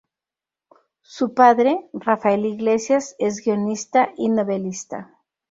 Su padre, Rafael Yglesias, es guionista y novelista.